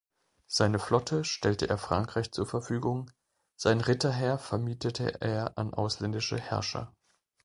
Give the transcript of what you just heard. Seine Flotte stellte er Frankreich zur Verfügung, sein Ritterheer vermietete er an ausländische Herrscher.